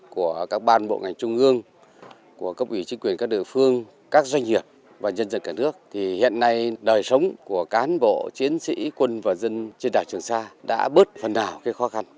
các ban bộ ngành trung ương của cấp ủy chính quyền các địa phương các doanh nghiệp và nhân dân cả nước thì hiện nay đời sống của cán bộ chiến sĩ quân và dân trên đảo trường sa đã bớt phần nào khó khăn